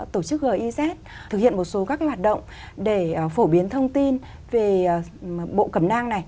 tổ chức giz thực hiện một số các hoạt động để phổ biến thông tin về bộ cẩm nang này